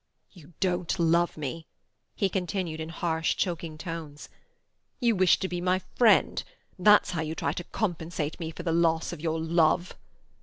"You don't love me," he continued in harsh, choking tones. "You wish to be my friend. That's how you try to compensate me for the loss of your love."